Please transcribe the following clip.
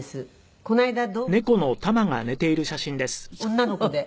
女の子で。